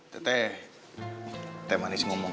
teh teh teh manis ngomong